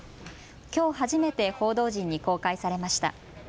きょう初めて報道陣に公開されました。